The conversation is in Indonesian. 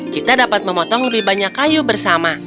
kita dapat memotong lebih banyak kayu bersama